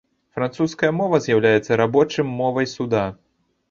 Французская мова з'яўляецца рабочым мовай суда.